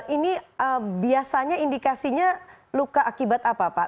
ini biasanya indikasinya luka akibat apa pak